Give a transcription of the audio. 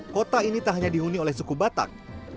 kota ini tak hanya dihuni oleh suku batak